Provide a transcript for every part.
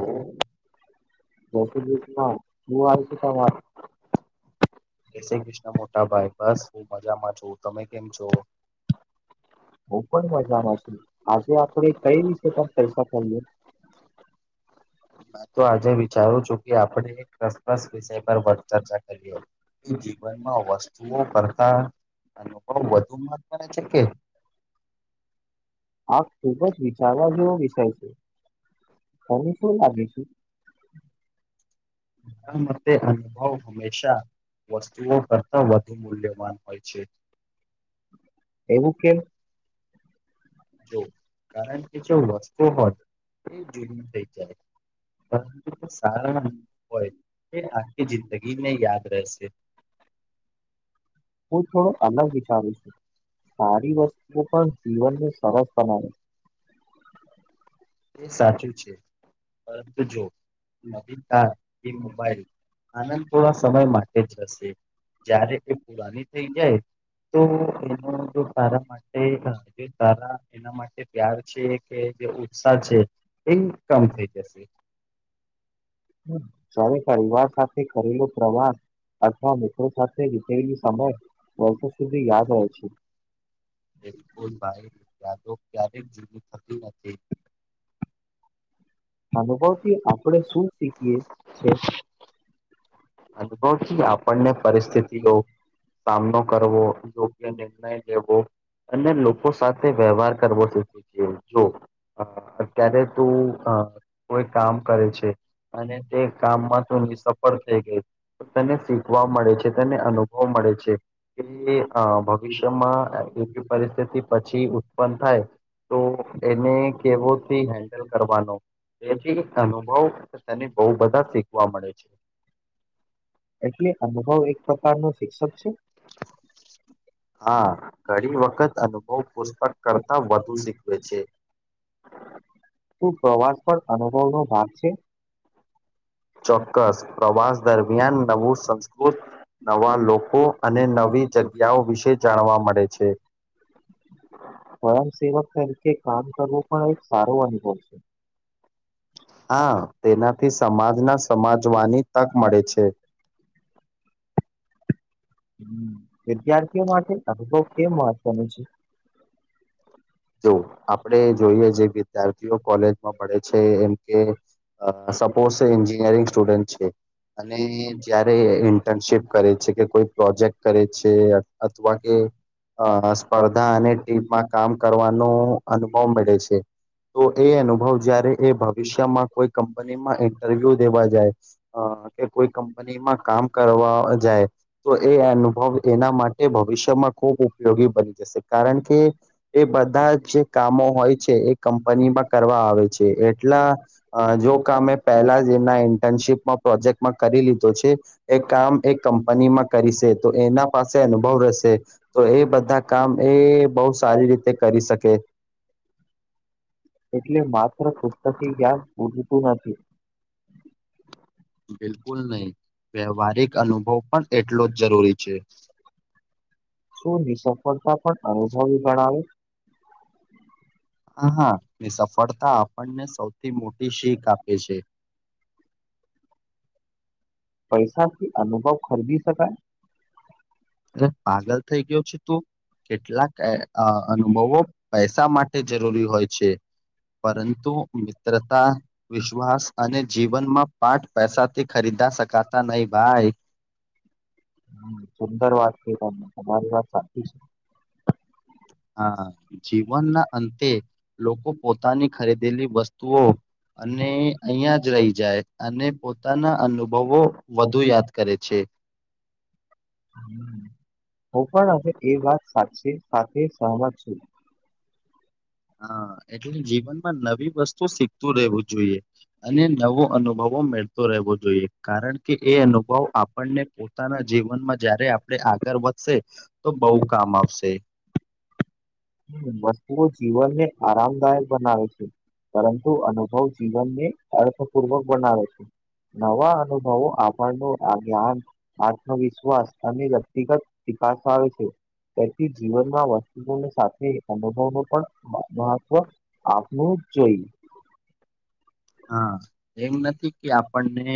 Hello જય શ્રી કૃષ્ણ મોટા ભાઈ બસ હું મજામાં છું તમે કેમ છો? હું પણ મજામાં છું આજે આપડે કંઈ વિષય પર વાત કરીએ મેં તો આજે વિચારું છું કે આપડે રસ્પસ વિષય પર ચર્ચા કરીએ તું જીવનમાં વસ્તુઓ કરતા [inaudible] વાત કરે છે કે આ ખૂબ જ વિચારવા જેવો વિષય છે. તમને શું લાગે છે? તા મતે અનુભવ હંમેશા વસ્તુઓ કરતાં વધુ મૂલ્યવાન હોય છે. એવું કેમ? જો કારણ કે જો વસ્તુ હોત તો એ જૂનું થાય જાય જે સારા હોય, તે આખી જિંદગી યાદ રહે છે. હું થોડો અલગ વિચારું છુ સારી વસ્તુઓ પણ જીવનને સરળ બનાવે તે સાચું છે, પરંતુ જો અધિકાર કે મોબાઈલ આનંદ તો થોડા સમય માટે જ હોય છે. જ્યારે એ પુરાની થઇ જાય તો એનો ઉપયોગ સારા માટે [unintelligible] એના માટે પ્યાર છે કે જે ઉત્સાહ છે એ છે. કમ થઈ જશે હ સૌને પરિવાર સાથે કરેલો પ્રવાસ અથવા મિત્રો સાથે વિતાવેલો સમય વર્ષો સુધી યાદ રહે છે [unintelligible] અનુભવથી આપડે શું શીખીએ છે? અનુભવ થી આપણને પરિસ્થિતિઓ સામનો કરવો યોગ્ય નિર્ણય લેવો અને લોકો સાથે વ્યવહાર કરવો જોઈએ જો ક્યારે તું અ કોઈ કામ છે અને તે કામમાં તો ની સફળ થઈ ગઈ તને શીખવા મળે છે તને અનુભવ મળે છે કે ભવિષ્યમાં એવી પરિસ્થિતિ પછી ઉત્પન્ન થાય તો એને કેવો થી હેન્ડલ કરવાનો તેથી અનુભવ તને બવ બધા શીખવા મળે છે એટલે અનુભવ એક પ્રકારનો શિક્ષક છે? હા ઘણી વખત અનુભવ પુસ્તક કરતા વધુ શીખવે છે. શ પ્રવાસ પણ અનુભવ નો ભાગ છે. ચોક્કસ પ્રવાસ દરમિયાન નવું સંસ્કૃત. નવા લોકો અને નવી જગ્યાઓ વિશે જાણવા મળે છે. સ્વયંસેવક તરીકે કામ કરવું પણ એક સારો અનુભવ છે. હા તેનાથી સમાજ ના સમાજવાની તક મળે છે. વિદ્યાર્થીઓ માટે અનુભવ કેમ મહત્વનું છે. તો આપણે જોઈએ જે વિદ્યાર્થીઓ કોલેજમાં પડે છે એમ કે અ સપોઝ એન્જિનિયરિંગ સ્ટુડેન્ટ છે. અને જારે ઇન્ટર્નશિપ કરે છે કે કોઈ પ્રોજેક્ટ કરે છે અથવા કે અ સ્પર્ધા અને ટીમમાં કામ કરવાનો અનુભવ મળે છે. તો એ અનુભવ જયારે એ ભવિષ્યમાં કોઈ કંપનીમાં ઇન્ટરવ્યુ દેવા જાય. અ કે કોઈ કંપની માં કામ કરવા જાય. તો એ અનુભવ એના માટે ભવિષ્યમાં ખૂબ ઉપયોગી બની જશે કારણ કે એ બધા જ જે કામો હોય છે એ કંપનીમાં કરવા આવે છે. એટલા જો કમે પહેલા જ એના ઇન્ટર્નશીપમાં પ્રોજેક્ટમાં કરી લીધો છે. એ કામ એ કંપનીમાં કરી છે તો એના પાસે અનુભવ રહેશે. તો એ બધા કામ એ બહુ સારી રીતે કરી શકે. એટલે માત્ર પુસ્તક જ્યાન પૂલતું નથી. બિલકુલ નહી વ્યવહારિક અનુભવ પણ એટલો જ જરૂરી છે. શું નીસફળતા પણ અનુભવી ગણાવે. હા હા સફળતા આપણને સૌથી મોટી શીખ આપે છે. પૈસા કે અનુભવ ખરીદી શકાય. અ પાગલ થઈ ગયો છે કેટલાક. અ અનુભવો પૈસા માટે જરૂરી હોય છે. પરંતુ મિત્રતા. વિશ્વાસ અને જીવનમાં પાઠ પૈસા થી ખરીદા શકાતા નહીિ ભાઈ. સુંદર વાત છે તમને તમારી વાત સાચી છે. હા જીવનના અંતે લોકો પોતાની ખરીદેલી વસ્તુઓ અને અહિયાં જ રહી જાય અને પોતાના અનુભવો. વધુ યાદ કરે છે. હું પણ હવે એ વાત સાચ સાથે સહમત છું. હા એટલે જીવનમાં નવી વસ્તુ શીખતું રહેવું જોઈએ. અને નવો અનુભવો મેળતો રહેવો જોઈએ. કારણ કે એ અનુભવ આપણને પોતાના જીવનમાં જયારે આપણે આગળ વધશ તો કે બઉુ કામ આવશે. વસ્તુઓ જીવનને આરામદાયક બનાવે છે. પરંતુ અનુભવ જીવનને અર્થપૂર્વક બનાવે છે. નવા અનુભવો આપણનો આ જ્ઞાન આત્મવિશ્વાસ અને વ્યક્તિગત વિકાસ આવે છે. તેથી જીવનમાં વસ્તુઓને એ અનુભવ ન પણ મહત્વ આપવું જ જોઈએ. હા એમ નથી કે આપણને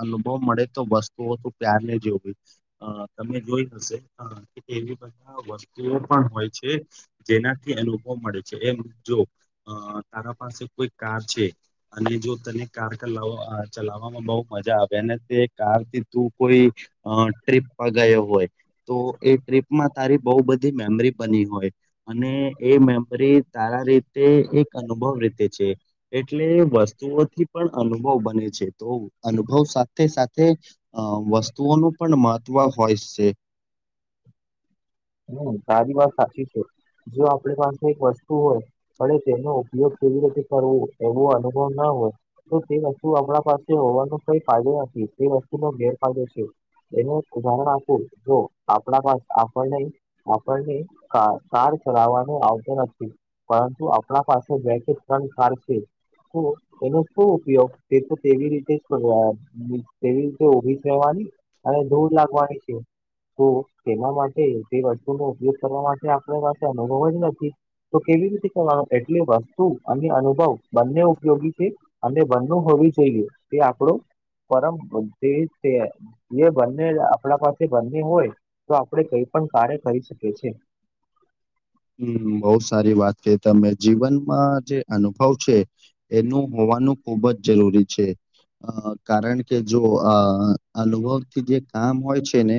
અનુભવ મણે તો વસ્તુઓ તો પ્યારને જોવી તમે જોઈ હશે. હા વસ્તુઓ પણ હોય છે. જેનાથી અનુભવ મળે છે એમ જો અ તારા પાસે કોઈ કાર છે. અને જો તને કાર ચલાવ ચલાવવામાં બહ મજા આવે અને તે કાર થી તું કોઈ અ ટ્રીપ પર ગયો હોય તો એ ટ્રીપમાં તારી બહુ બધી મેમરી બની હોય અને એ મેમરી તારા રીતે એક અનુભવ રીતે છે એટલ. વસ્તુઓથી પણ અનુભવ બને છે તો અનુભવ સાથે સાથે અ વસ્તુઓનું પણ મહત્વ હોય છે. હમ તારી વાત સાચી છે જો આપણી પાસે એક વસ્તુ હોય પણ તેનો ઉપયોગ કેવી રીતે કરવો? એવો અનુભવ ના હોય તો તે વસ્તુ આપમણા પાસે હોવાનો કઈ ફાયદો નથી તે વસ્તુનો ગેરફાયદો છે. એને એક ઉદાહરણ આપું જો આપણા પા આપણને કાર ચલાવવાનો આવતો નથી- પરંતુ આપણા પાસે બે કે ત્રણ કાર છે. એનો શું ઉપયોગ તે તો તેવી રીતે જ કર તેવી રીતે ઊભી રહેવાની અને દોર લાગવાની છે તો તેના માટે. તે વસ્તુ નો ઉપયોગ કરવા માટે આપ પાસે અનુભવ જ નથી તો કેવી રીતે એટલી વસ્તુ અને અનુભવ બંને ઉપયોગી છે અને બંનું હોવી જોઈએ એ આપણો [unintelligible] જે બંને આપણા પાસે બંને હોય તો આપણે કઈ પણ કાર્ય કરી શકીએ છે. હમ બવ સારી વાત કઈ તમે જીવનમાં જે અનુભવ છે એનું હોવાનું ખુબ જ જરૂરી છે. અ કારણ કે જો આ અનુભવથી જે કામ હોય છે ને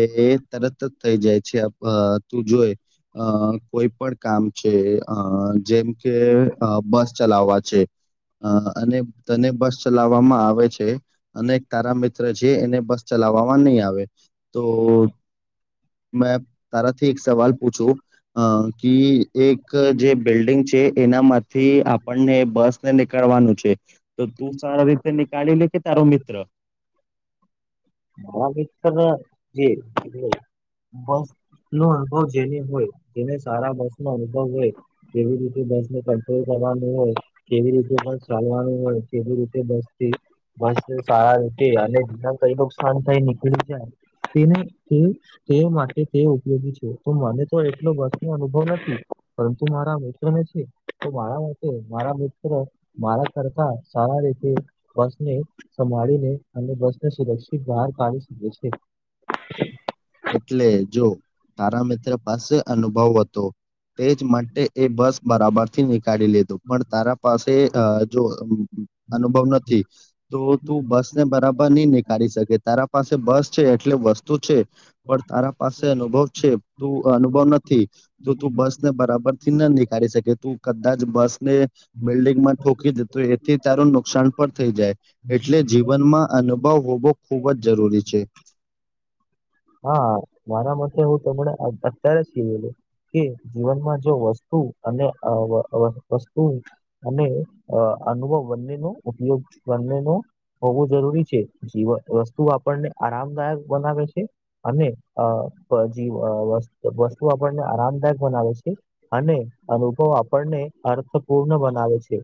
એ તરત જ થઈ જાય છે તું જોય અ કોઈ પણ કામ છે અ જેમ કે બસ ચલાવવા છે. હ અને તને બસ ચલાવવામાં આવે છે. અને તારા મિત્ર છે એને બસ ચલાવવામાં નહી આવે તો મેં તારાથી એક સવાલ પૂછું. અ ક એક જે બિલ્ડિંગ છે એનામાંથી આપણને બસ નીકળવાનું છે તો તું સારા રીતે નીકળ્યું લે કે તારો મિત્ર? [inaudible] નો અનુભવ જેને હોય તેને સારા બસ નો અનુભવ હોય કેવી રીતે બસ ને કંટ્રોલ કરવાનું હોય કેવી રીતે પણ ચાલવાનું હોય કેવી રીતે બસ થી બસ સારા રીતે અને વિના કઈ નુકસાન થઈ નીકળી જાય તે. તે માટે તે ઉપયોગી છે તો મને તો એટલો બસ નો અનુભવ નથી પરંતુ મારા મિત્રને છે. તો મારા માટે મારા મિત્રો મારા કરતા સારા રીતે બસને સંભાળીને અને બસ ને સુરક્ષિત બહાર કાઢી શકે છે. એટલે જો તારા મિત્ર પાસે અનુભવ હતો. તે જ માટે એ બસ બરાબર થી નીકાળી લીધું પણ તારા પાસે જો અનુભવ નથી તો તું બસ ને બરાબર નહી નીકળ કાળી શકે તારા પાસે બસ છે એટલે વસ્તુ છે પણ તારા પાસે અનુભવ છે તું અનુભવ નથી તો તું બસને બરાબર થી ના નીકાળી શકે તું કદાચ બસ ને બિલ્ડિંગ માં ઠોકી દે તો એથી તારું નુકસાન પણ થઈ જાય એટલે જીવનમાં અનુભવ હોવો ખૂબ જ જરૂરી છે. હા મારા માટે હું તમને અત્યારે કીધેલું. કે જીવનમાં જો વસ્તુ અને વસ્તુ અને અનુભવ બંને નો ઉપયોગ બંને નો હોવું જરૂરી છે જીવન વસ્તુ આપણને આરામદાયક બનાવે છે, અને જે વસ્તુ આપણને આરામદાયક બનાવે છે. અને અનુભવ આપણને અર્થપૂર્ણ બનાવે છે.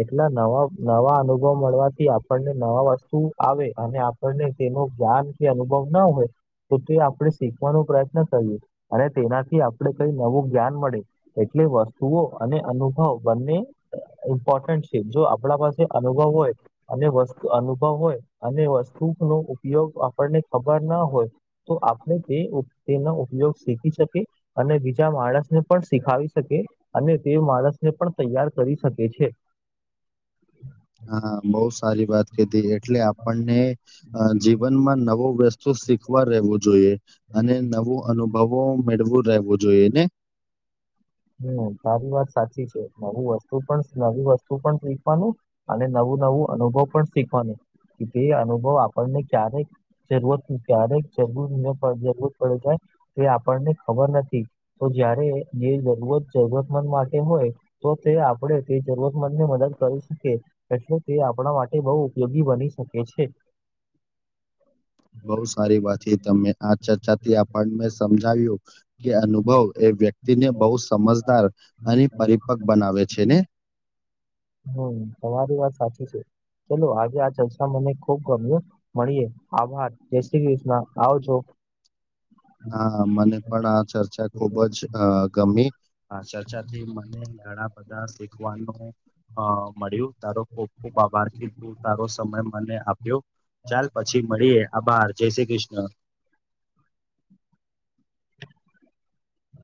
એટલા નવા નવા અનુભવ મળવાથી આપણને નવા વસ્તુ આવે અને અને તેનો જ્ઞાન કે અનુભવ ન હોય તો તે આપણે શીખવાનો પ્રયત્ન કરીએ અને તેનાથી આપણે કઈ નવું જ્ઞાન મળે એટલે વસ્તુઓ અને અનુભવ બંને ઇમ્પોર્ટન્ટ છે જો આપણા પાસે અનુભવ હોય અને વસ્તુ અનુભવ હોય અને વસ્તુ નો ઉપયોગ આપણને ખબર ના હોય તો આપણે તે તેનો ઉપયોગ શીખી શકીએ અને બીજા માણસને પણ શીખાવી શકિએ અને તે માણસને પણ તૈયાર કરી શકે છે [inaudible] હા બહુ સારી વાત કીધી એટલે આપણને જીવનમાં નવો વ્યસ્ત શું શીખવા રહેવું જોઈએ અને નવું અનુભવો મેળવું રહેવું જોઈએ ને હમ તારી વાત સાચી છે નવું વસ્તુ પણ નવી વસ્તુ પણ શીખવાન અને નવું નવું અનુભવ પણ શીખવાનું એ અનુભવ આપણને ક્યારેક જરૂરત ક્યારેક જરૂર ને પણ જરૂર પડી જાય એ આપણને ખબર નથી તો જયારે જે જો જરૂરતમંદ માટે હોય તો તે આપણે તે જરૂરતમંદ ની મદદ કરી શકીએ એટલે કે આપણા માટે બઉ ઉપયોગી બની શકે છે બહુ સારી વાત છે તમે આ ચર્ચાથી આપણ ને સમજાવ્યું કે અનુભવ એ વ્યક્તિ ને બહુ સમજદાર અને પરિપક્વ બનાવે છે ને હમ તમારી વાત સાચી છે ચલો આજે આ ચર્ચા મને ખુબ ગમી મળીએે આભાર જય શ્રી કૃષ્ણ આવજો હા મને પણ આ ચર્ચા ખુબ જ ગમી આ ચર્ચાથી મને ઘણા બધા શીખવાનું અ મળ્યું તારો ખૂબ ખૂબ આભાર કે તે તારો સમય મને આપ્યો ચાલ પછી મળીએ આભાર જય શ્રી કૃષ્ણ